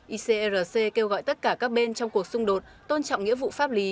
icrc kêu gọi tất cả các bên trong cuộc xung đột tôn trọng nghĩa vụ pháp lý